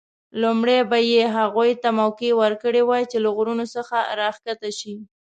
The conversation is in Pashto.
لومړی به یې هغوی ته موقع ورکړې وای چې له غرونو څخه راښکته شي.